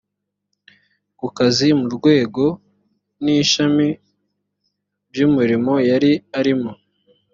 ku kazi mu rwego n ishami by umurimo yari arimo